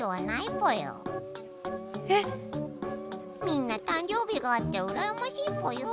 みんな誕生日があってうらやましいぽよ。